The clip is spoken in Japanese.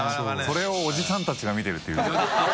それをおじさんたちが見てるっていう。